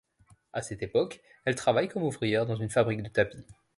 À cette époque, elle travaille comme ouvrière dans une fabrique de tapis.